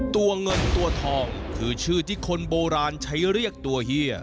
ตัวเงินตัวทองคือชื่อที่คนโบราณใช้เรียกตัวเฮีย